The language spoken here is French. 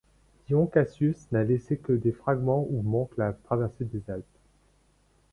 Dion Cassius n'a laissé que des fragments où manque la traversée des Alpes.